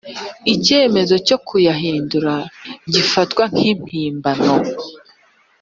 icyemezo cyo kuyahindura gifatwa nkimpimbano.